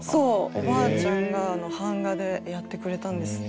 おばあちゃんが版画でやってくれたんです。